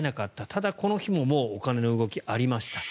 ただ、この日もお金の動きがありました。